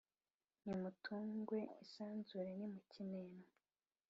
Nimutungwe isanzure ntimukinenwa!